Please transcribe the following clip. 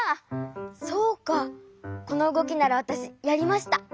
そうかこのうごきならわたしやりました。